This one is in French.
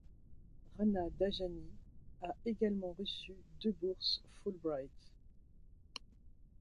Rana Dajani a également reçu deux bourses Fulbright.